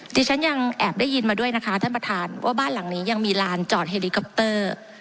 ที่ฉันยังแอบได้ยินมาด้วยนะคะท่านประธานว่าบ้านหลังนี้ยังมีลานจอดเฮลิคอปเตอร์